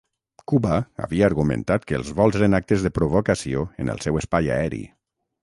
Cuba havia argumentat que els vols eren actes de provocació en el seu espai aeri.